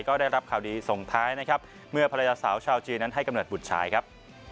ก็ได้รับข่าวดีส่งท้ายนะครับเมื่อภรรยาสาวชาวจีนนั้นให้กำเนิดบุตรชายครับ